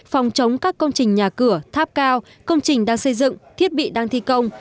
phòng chống các công trình nhà cửa tháp cao công trình đang xây dựng thiết bị đang thi công